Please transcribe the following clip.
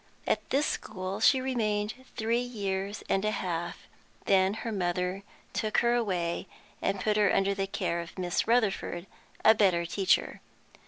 At this school she remained three years and a half; then her mother took her away, and put her under the care of Miss Rutherford, a better teacher.